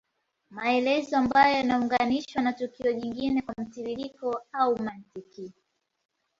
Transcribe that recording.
Maelezo ambayo yanaunganishwa na tukio jingine kwa mtiririko au mantiki